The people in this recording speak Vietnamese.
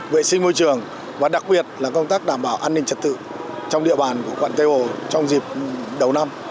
vệ sinh môi trường và đặc biệt là công tác đảm bảo an ninh trật tự trong địa bàn của quận tây hồ trong dịp đầu năm